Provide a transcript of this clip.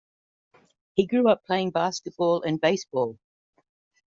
He grew up playing basketball and baseball.